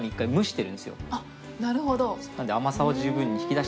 あっなるほど。